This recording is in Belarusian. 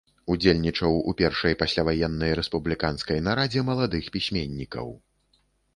Удзельнічаў у першай пасляваеннай рэспубліканскай нарадзе маладых пісьменнікаў.